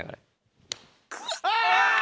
あ！